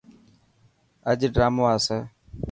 اڄ ڊرامو آسي.